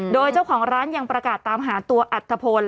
โดยเจ้าของร้านยังประกาศตามหาตัวอัตภพล